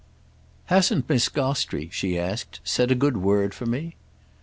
"Hasn't Miss Gostrey," she asked, "said a good word for me?"